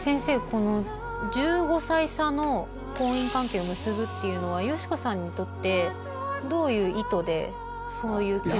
この１５歳差の婚姻関係を結ぶっていうのはよし子さんにとってどういう意図でそういう決断にしたんですか？